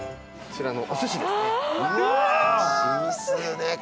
こちらのおすしですね。